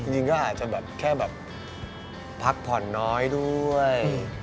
จริงก็อาจจะแบบแค่แบบพักผ่อนน้อยด้วย